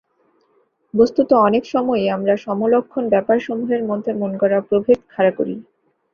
বস্তুত অনেক সময়েই আমরা সমলক্ষণ ব্যাপারসমূহের মধ্যে মনগড়া প্রভেদ খাড়া করি।